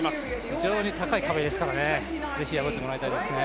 非常に高い壁ですからね、ぜひ破ってもらいたいですね。